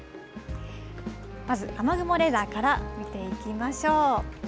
まず雨雲レーダーから見ていきましょう。